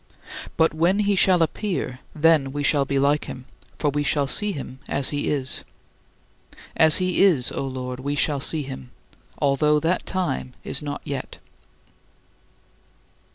But "when he shall appear, then we shall be like him, for we shall see him as he is." As he is, O Lord, we shall see him although that time is not yet.